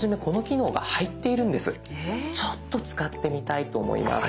ちょっと使ってみたいと思います。